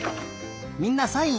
みんなサイン